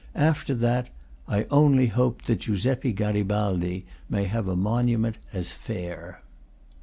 After that, I only hope that Giuseppe Garibaldi may have a monument as fair.